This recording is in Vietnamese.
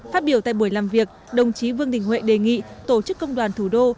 phát biểu tại buổi làm việc đồng chí vương đình huệ đề nghị tổ chức công đoàn thủ đô